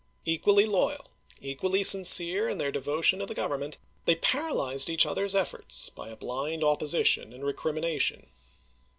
Equally loyal, equally sincere in their devotion to the Government, they paralyzed each other's efforts by a blind opposition and recrimination.